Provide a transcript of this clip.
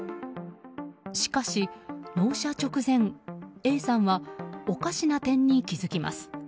しかし納車直前、Ａさんはおかしな点に気づきます。